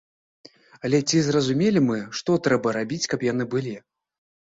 Але ці зразумелі мы, што трэба рабіць, каб яны былі?